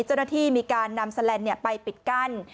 เจ้าหน้าที่มีการนำแสลนด์ไปปิดกั้น